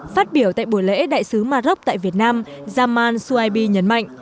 phát biểu tại buổi lễ đại sứ maroc tại việt nam jamal suaibi nhấn mạnh